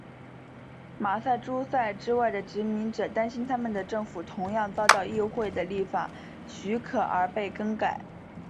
马萨诸塞之外的殖民者担心他们的政府同样遭到议会的立法许可而被更改。